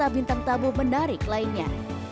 bintang tamu menarik lainnya